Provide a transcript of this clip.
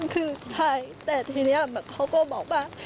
คือใช่แต่ทีนี้เขาก็บอกว่า